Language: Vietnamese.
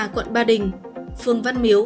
quận ba đình phường văn miếu